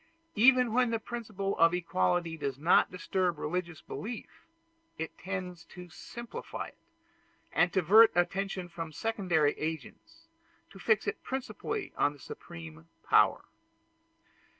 Even when the principle of equality does not disturb religious belief, it tends to simplify it, and to divert attention from secondary agents, to fix it principally on the Supreme Power.